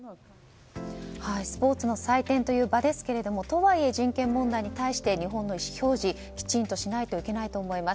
スポーツの祭典という場ですけれどもとはいえ人権問題に対して日本の意思表示きちんとしないといけないと思います。